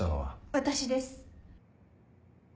私です。